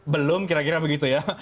belum kira kira begitu ya